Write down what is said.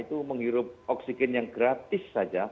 itu menghirup oksigen yang gratis saja